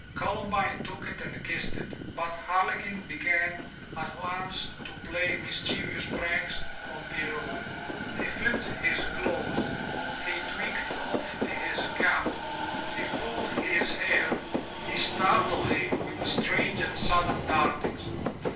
Columbine took it and kissed iti but Harlequin began at once to play mischievous pranks on Pierrot. He flipped his clothes, he tweaked off his cap, he pulled his hair, he startled him with strange and sudden dartings.